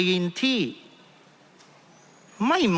เพราะเรามี๕ชั่วโมงครับท่านนึง